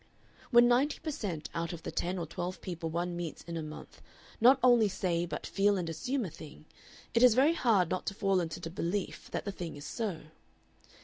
When ninety per cent. out of the ten or twelve people one meets in a month not only say but feel and assume a thing, it is very hard not to fall into the belief that the thing is so.